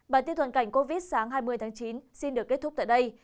bản tin toàn cảnh covid sáng hai mươi tháng chín xin được kết thúc tại đây